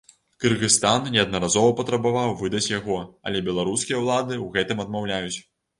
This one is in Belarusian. Кыргызстан неаднаразова патрабаваў выдаць яго, але беларускія ўлады ў гэтым адмаўляюць.